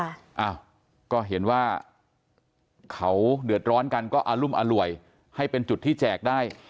อ้าวก็เห็นว่าเขาเดือดร้อนกันก็อรุมอร่วยให้เป็นจุดที่แจกได้